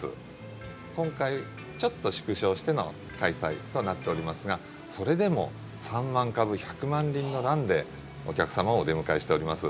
今回ちょっと縮小しての開催となっておりますがそれでも３万株１００万輪のランでお客様をお出迎えしております。